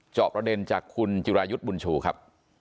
จอบประเด็นจากคุณจิรายุทธ์บุญชูครับ